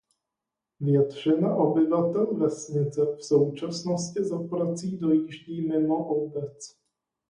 Většina obyvatel vesnice v současnosti za prací dojíždí mimo obec.